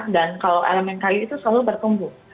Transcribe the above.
dan kalau elemen kayu itu selalu bertumbuh